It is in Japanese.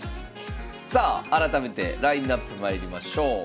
さあ改めてラインナップまいりましょう。